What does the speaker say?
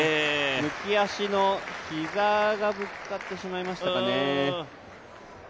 抜き足の膝がぶつかってしまいましたかね。